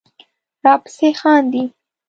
راپسې خاندې